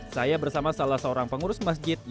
saya bersama salah seorang pengurus masjid